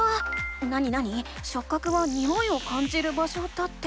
なになに「しょっ角はにおいを感じる場所」だって。